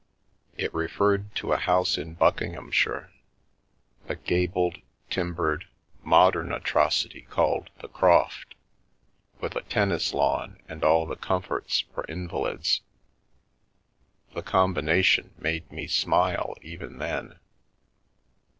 It referred to a house in Buckinghamshire — a gabled, timbered mod What I Found Under the Pillow ern atrocity called " The Croft," with a tennis lawn and all comforts for invalids; the combination made me smile even then.